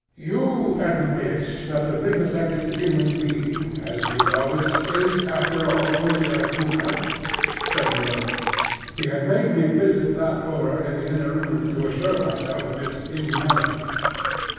"You admit that the vivisected human being, as you called it, is, after all, only the puma?" said Moreau. He had made me visit that horror in the inner room, to assure myself of its inhumanity.